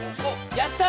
やった！